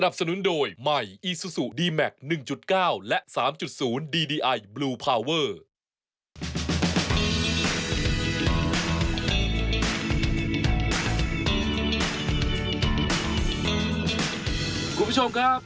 คุณผู้ชมครับ